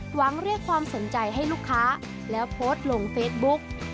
หวังเรียกความสนใจให้ลูกค้าแล้วโพสต์ลงเฟซบุ๊ก